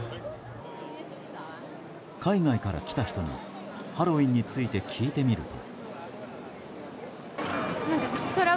海外から来た人にハロウィーンについて聞いてみると。